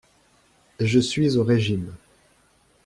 Je suis au régime.